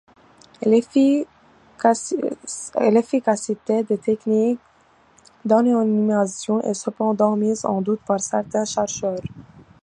L'efficacité des techniques d'anonymisation est cependant mise en doute par certains chercheurs.